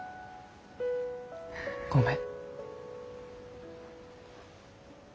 ごめん。